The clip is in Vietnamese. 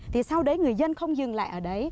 thì sau đấy người dân không dừng lại ở đấy